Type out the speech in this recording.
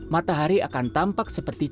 matahari akan tampak seperti